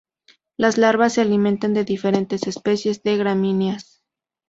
Las larvas se alimentan de diferentes especies de gramíneas.